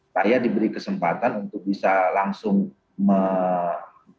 rakyat diberi kesempatan untuk bisa langsung menolak